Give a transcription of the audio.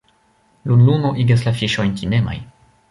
Lunlumo igas la fiŝojn timemaj.